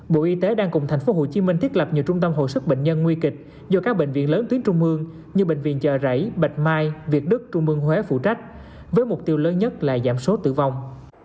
bộ y tế đang cùng tp hcm thiết lập nhiều trung tâm hội sức bệnh nhân nguy kịch do các bệnh viện lớn tuyến trung ương như bệnh viện chợ rẫy bạch mai việt đức trung mương huế phụ trách với mục tiêu lớn nhất là giảm số tử vong